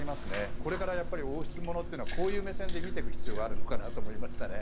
これから王室ものというのはこういう目線で見ていく必要があるのかなと思いました。